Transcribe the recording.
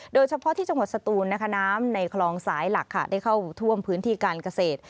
โดยเฉพาะที่จังหวัดสตูนนะคะน้ำในคลองสายหลักค่ะได้เข้าท่วมพื้นที่การเกษตร